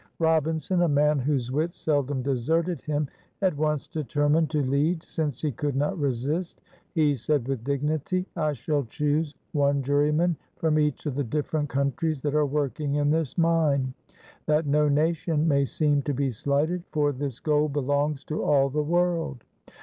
Robinson, a man whose wits seldom deserted him, at once determined to lead, since he could not resist. He said with dignity: "I shall choose one juryman from each of the different countries that are working in this mine, that no nation may seem to be slighted, for this gold belongs to all the world."